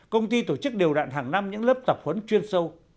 công ty tổ chức điều đoạn hàng năm những lớp tập huấn chuyên sâu